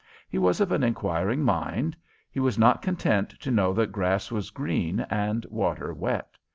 He was of an inquiring mind. He was not content to know that grass was green and water wet.